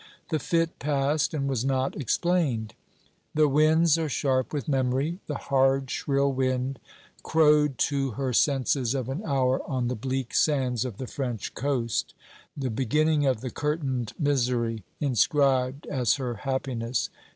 The fit passed and was not explained. The winds are sharp with memory. The hard shrill wind crowed to her senses of an hour on the bleak sands of the French coast; the beginning of the curtained misery, inscribed as her happiness.